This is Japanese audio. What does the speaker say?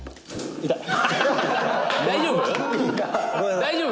「大丈夫？」